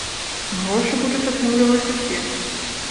Грошы будуць атрымліваць усе.